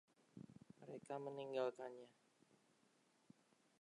Mereka meninggalkannya.